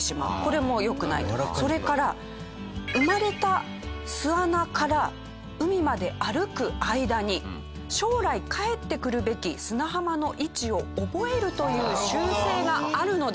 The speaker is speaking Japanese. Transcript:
それから生まれた巣穴から海まで歩く間に将来帰ってくるべき砂浜の位置を覚えるという習性があるので。